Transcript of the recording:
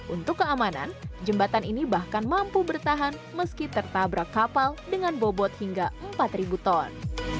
untuk keamanan jembatan ini bahkan mampu bertahan meski tertabrak kapal dengan bobot hingga empat ribu ton